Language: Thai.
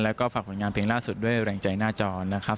แล้วก็ฝากผลงานเพลงล่าสุดด้วยแรงใจหน้าจอนะครับ